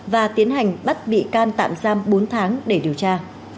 và tiến hành bắt bị can tạm giam bốn tháng để điều tra